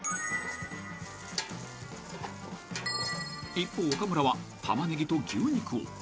［一方岡村は玉ねぎと牛肉を］